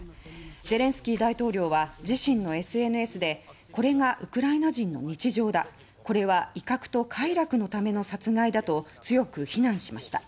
ゼレンスキー大統領は自身のＳＮＳでこれがウクライナ人の日常だこれは威嚇と快楽のための殺害だと強く非難しました。